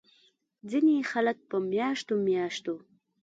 ځينې خلک پۀ مياشتو مياشتو